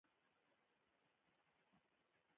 هغه لامبو کولی شوه خو بیا هم غرق شو